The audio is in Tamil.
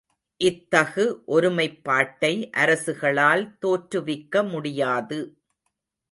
இத்தகு ஒருமைப்பாட்டை அரசுகளால் தோற்றுவிக்க முடியாது.